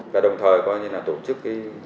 và đồng thời tổ chức